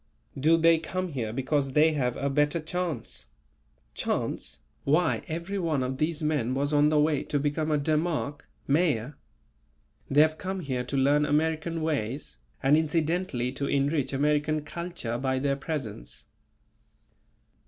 "Do they come here because they have a better chance?" "Chance? why, everyone of these men was on the way to become a Demarch (Mayor). They have come here to learn American ways, and incidentally to enrich American culture by their presence."